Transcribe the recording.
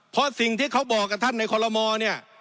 เพราะสิ่งที่เขาบอกกับท่านในคอลโลมอลเนี่ย